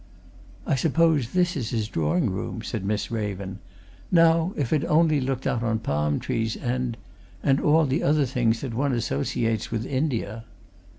"I suppose this is his drawing room," said Miss Raven. "Now, if only it looked out on palm trees, and and all other things that one associates with India."